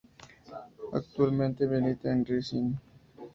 Actualmente milita en Rancid.